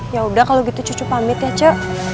yaudah kalau gitu cucu pamit ya ce